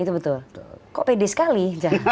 itu betul kok pede sekali